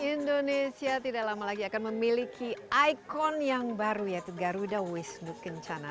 indonesia tidak lama lagi akan memiliki ikon yang baru yaitu garuda wisnu kencana